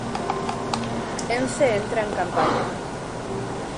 'Ence entra en campaña'.